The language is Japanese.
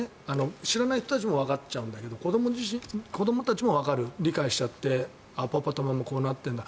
知らない人たちもわかっちゃうけど子どもたちもわかる理解しちゃってパパとママこうなってんだ。